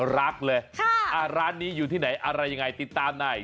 รักเลยร้านนี้อยู่ที่ไหนอะไรยังไงติดตามใน